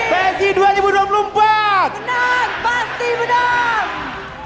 psi dua ribu dua puluh empat menang pasti menang